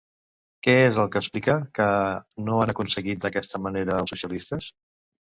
Què és el que explica que no han aconseguit d'aquesta manera els socialistes?